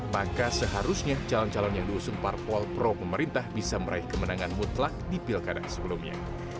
maka seharusnya calon calon yang diusung parpol pro pemerintah bisa meraih kemenangan mutlak di pilkada sebelumnya